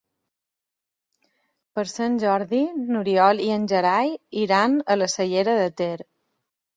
Per Sant Jordi n'Oriol i en Gerai iran a la Cellera de Ter.